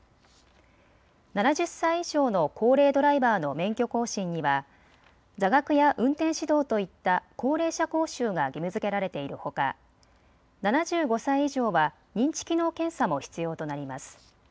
７０歳以上の高齢ドライバーの免許更新には座学や運転指導といった高齢者講習が義務づけられているほか７５歳以上は認知機能検査も必要となります。